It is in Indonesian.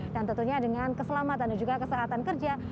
dan tentunya dengan keselamatan dan juga kesehatan kerja